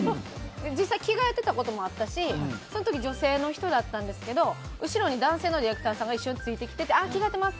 実際、着替えてたこともあったしその時女性の人だったんですけど後ろに男性のディレクターが一緒についてきててあ、着替えてます！